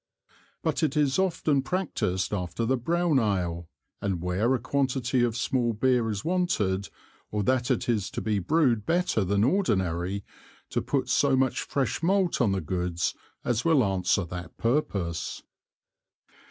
But it is often practised after the brown Ale, and where a Quantity of small Beer is wanted, or that it is to be Brewed better than ordinary, to put so much fresh Malt on the Goods as will answer that purpose.